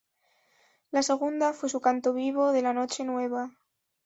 La segunda fue su canto vivo de "La noche nueva".